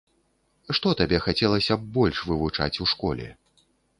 Што табе хацелася б больш вывучаць у школе?